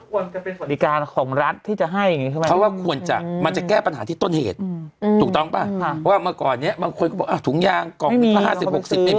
ก็คืออย่างไรว่าควรจะเป็นบริการของรัฐที่จะให้อย่างงี้ใช่ไหม